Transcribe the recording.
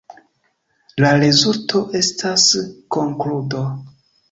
La rezulto estas konkludo.